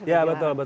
ya betul mbak